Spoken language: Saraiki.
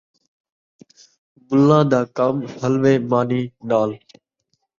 ملّاں دا کم حلوے مانی نال